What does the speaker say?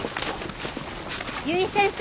由井先生？